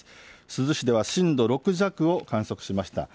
珠洲市では震度６弱を観測しました。